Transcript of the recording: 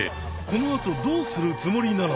このあとどうするつもりなのか。